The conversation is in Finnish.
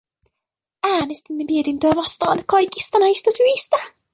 Äänestimme mietintöä vastaan kaikista näistä syistä.